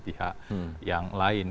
pihak yang lain